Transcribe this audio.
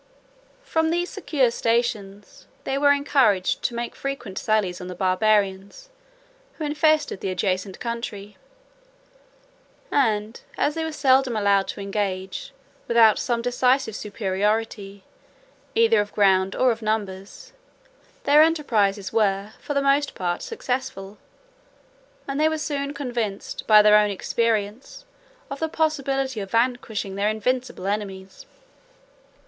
From these secure stations, they were encouraged to make frequent sallies on the Barbarians, who infested the adjacent country; and, as they were seldom allowed to engage, without some decisive superiority, either of ground or of numbers, their enterprises were, for the most part, successful; and they were soon convinced, by their own experience, of the possibility of vanquishing their invincible enemies.